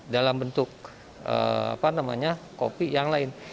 dalam bentuk kopi yang lain